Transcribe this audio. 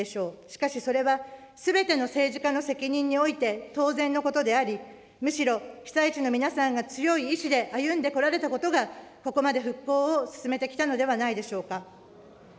しかしそれは、すべての政治家の責任において、当然のことであり、むしろ被災地の皆さんが強い意思で歩んでこられたことが、ここまで復興を進めてきたのではないでしょうか。